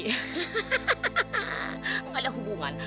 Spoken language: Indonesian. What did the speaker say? gak ada hubungan